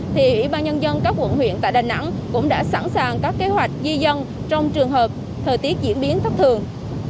thì ủy ban nhân dân các quận huyện tại đà nẵng cũng đã sẵn sàng các kế hoạch di dân trong trường hợp thời tiết diễn biến thất thường